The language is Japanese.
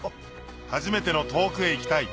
初めての『遠くへ行きたい』